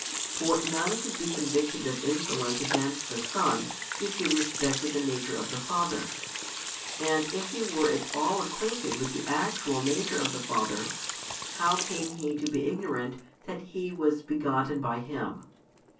For none could be convicted of insolence against the Son, if he respected the nature of the Father. And if he were at all acquainted with the actual nature of the Father, how came he to be ignorant that He was begotten by Him?